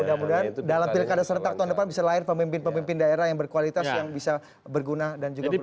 mudah mudahan dalam pilkada serentak tahun depan bisa lahir pemimpin pemimpin daerah yang berkualitas yang bisa berguna dan juga berpen